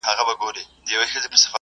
زموږ ناسته ولاړه زموږ شخصیت جوړوي.